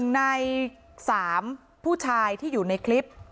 ๑ใน๓ผู้ชายที่อยู่ในคลิป